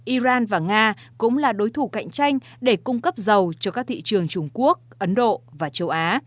iran và nga cũng là đối thủ cạnh tranh để cung cấp dầu cho các thị trường trung quốc ấn độ và châu á